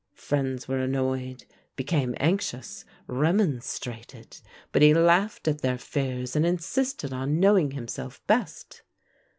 Friends were annoyed, became anxious, remonstrated; but he laughed at their fears, and insisted on knowing himself best.